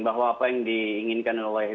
bahwa apa yang diinginkan oleh